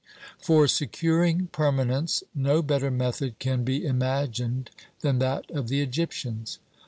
For securing permanence no better method can be imagined than that of the Egyptians.